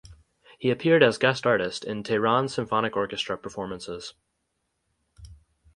He appeared as guest artist in Tehran Symphonic Orchestra performances.